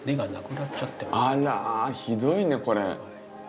あらひどいねこれ。